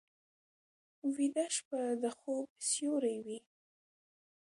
ویده شپه د خوب سیوری وي